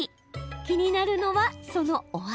気になるのはそのお味。